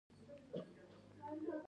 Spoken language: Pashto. اداره باید له تقلب کارۍ پاکه وي.